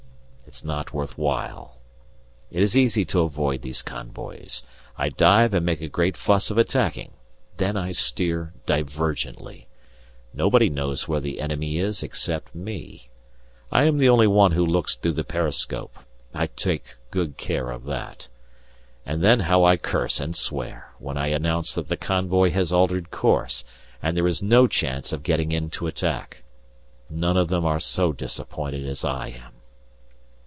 It's not worth while. It is easy to avoid these convoys. I dive and make a great fuss of attacking, then I steer divergently. Nobody knows where the enemy is except me; I am the only one who looks through the periscope I take good care of that. And then how I curse and swear when I announce that the convoy has altered course, and there is no chance of getting in to attack. None of them are so disappointed as I am!